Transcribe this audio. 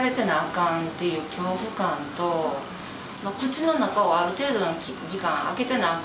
かんっていう恐怖感と、口の中をある程度の時間開けてなあ